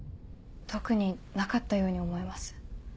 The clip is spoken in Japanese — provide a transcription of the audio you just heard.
特になかったように思えます。